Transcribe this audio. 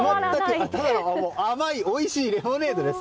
甘い、おいしいレモネードです。